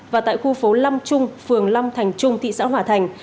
và tại khu phố năm trung phường năm thành trung thị xã hỏa thành